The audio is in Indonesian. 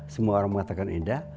semua orang mengatakan indah